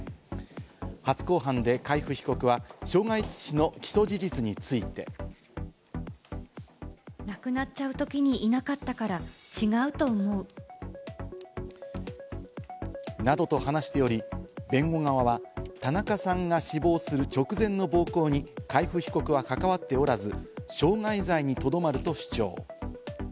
初公判で海部被告は傷害致死の起訴事実について。などと話しており、弁護側は田中さんが死亡する直前の暴行に海部被告は関わっておらず、傷害罪にとどまると主張。